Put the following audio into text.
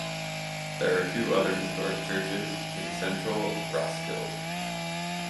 There are two other historic churches in central Roskilde.